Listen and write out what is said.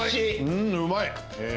うんうまい。